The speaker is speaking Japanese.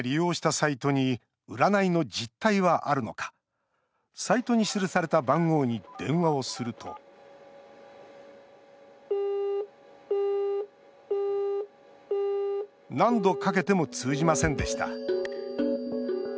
サイトに記された番号に電話をすると何度かけても通じませんでした。